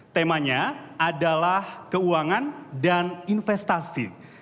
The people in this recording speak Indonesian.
temanya adalah keuangan dan investasi